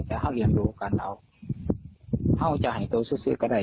แต่เขาเรียนรู้กันแล้วเขาจะให้ตัวซื้อซื้อก็ได้